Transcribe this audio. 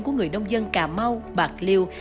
của người nông dân cà mau bạc liêu